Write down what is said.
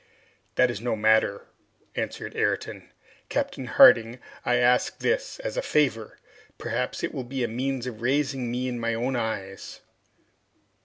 "That is no matter," answered Ayrton. "Captain Harding, I ask this as a favor. Perhaps it will be a means of raising me in my own eyes!"